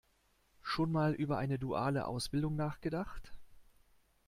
Schon mal über eine duale Ausbildung nachgedacht?